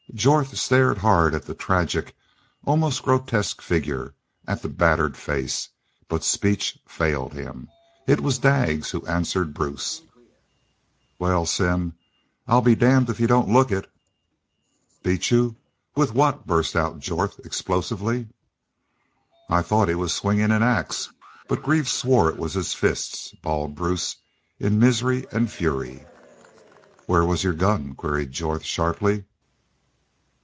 Jorth stared hard at the tragic, almost grotesque figure, at the battered face. But speech failed him. It was Daggs who answered Bruce. "Wal, Simm, I'll be damned if you don't look it." "Beat you! What with?" burst out Jorth, explosively. "I thought he was swingin' an ax, but Greaves swore it was his fists," bawled Bruce, in misery and fury. "Where was your gun?" queried Jorth, sharply.